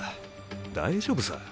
大丈夫さ。